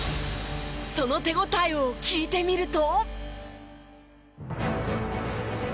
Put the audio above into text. その手応えを聞いてみると。